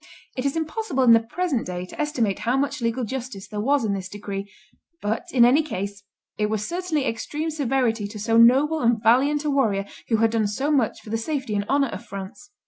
'" It is impossible in the present day to estimate how much legal justice there was in this decree; but, in any case, it was certainly extreme severity to so noble and valiant a warrior who had done so much for the safety and honor of France.